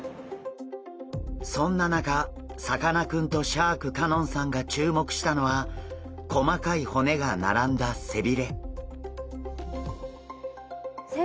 そんな中さかなクンとシャーク香音さんが注目したのは細かい骨が並んだ背鰭。